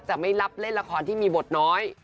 จะไม่รับเล่นละครที่มีบทน้อย